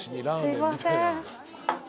すいません。